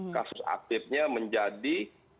kasus aktifnya menjadi empat ratus sembilan puluh dua